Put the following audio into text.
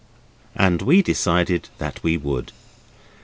And we decided that we would.